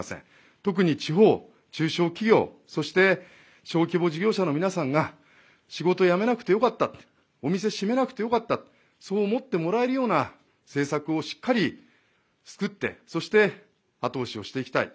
特に地方、中小企業そして小規模事業者の皆さんが仕事を辞めなくてよかった、お店閉めなくてよかった、そう思ってもらえるような政策をしっかり作ってそして、後押しをしていきたい。